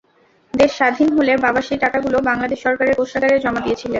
দেশ স্বাধীন হলে বাবা সেই টাকাগুলো বাংলাদেশ সরকারের কোষাগারে জমা দিয়েছিলেন।